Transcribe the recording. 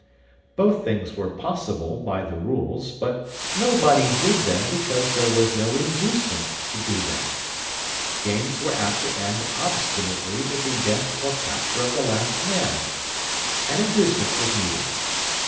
Both things were possible by the rules, but nobody did them because there was no inducement to do them. Games were apt to end obstinately with the death or capture of the last man. An inducement was needed.